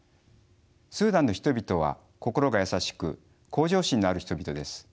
スーダンの人々は心が優しく向上心のある人々です。